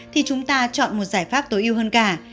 thì chúng ta chọn một giải pháp tối ưu hơn cả